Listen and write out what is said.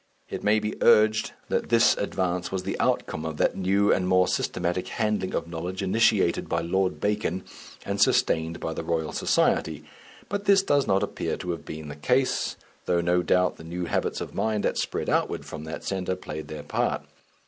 It may be urged that this advance was the outcome of that new and more systematic handling of knowledge initiated by Lord Bacon and sustained by the Royal Society; but this does not appear to have been the case, though no doubt the new habits of mind that spread outward from that centre played their part.